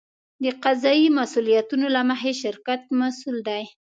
د قضایي مسوولیتونو له مخې شرکت مسوول دی.